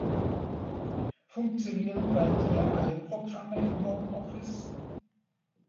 Funktionieren bei dir alle Programme im Homeoffice?